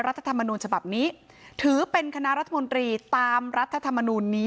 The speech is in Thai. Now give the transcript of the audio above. รัฐธรรมนูญฉบับนี้ถือเป็นคณะรัฐมนตรีตามรัฐธรรมนูลนี้